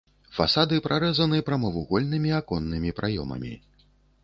Фасады прарэзаны прамавугольнымі аконнымі праёмамі.